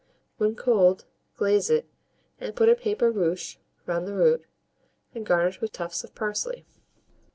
When cold, glaze it, and put a paper ruche round the root, and garnish with tufts of parsley.